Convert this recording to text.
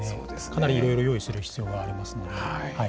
かなりいろいろ用意する必要がありますので。